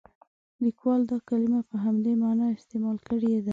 لیکوال دا کلمه په همدې معنا استعمال کړې ده.